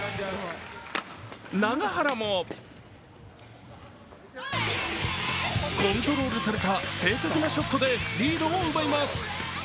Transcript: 永原もコントロールされた正確なショットでリードを奪います。